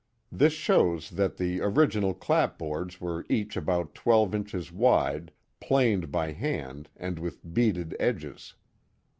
This shows that the or iginal clapboards were each about twelve inches wide, planed by hand and with beaded edges.